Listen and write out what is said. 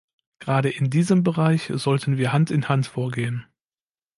Gerade in diesem Bereich sollten wir Hand in Hand vorgehen.